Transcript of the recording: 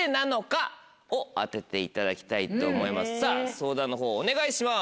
相談のほうお願いします。